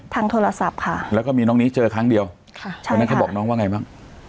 ทางโทรศัพท์ค่ะแล้วก็มีน้องนี้เจอครั้งเดียวค่ะใช่วันนั้นเขาบอกน้องว่าไงบ้าง